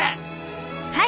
はい。